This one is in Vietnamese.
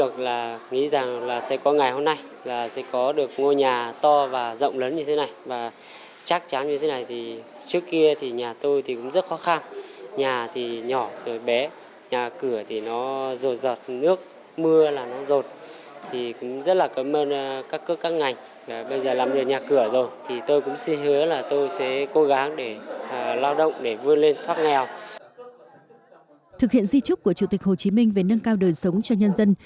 thực hiện di trúc của chủ tịch hồ chí minh về nâng cao đời sống cho nhân dân